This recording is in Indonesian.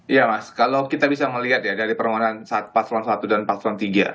iya mas kalau kita bisa melihat ya dari permohonan paslon satu dan paslon tiga